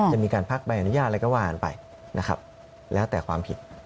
จะมีการพักใบอนุญาตอะไรก็ว่ากันไปนะครับแล้วแต่ความผิด